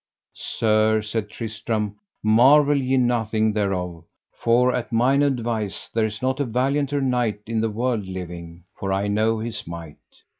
Sir, said Tristram, marvel ye nothing thereof, for at mine advice there is not a valianter knight in the world living, for I know his might.